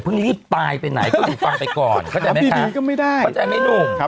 พี่บิ๊งก็ไม่ได้